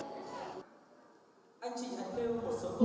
anh chị hãy kêu một số câu hỏi